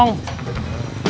mirip bintang film